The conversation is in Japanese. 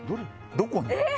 どこに？